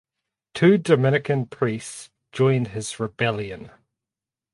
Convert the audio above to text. Two Dominican priests joined his rebellion.